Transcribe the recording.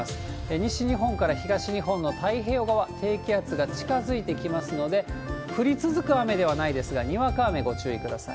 西日本から東日本の太平洋側、低気圧が近づいてきますので、降り続く雨ではないですが、にわか雨、ご注意ください。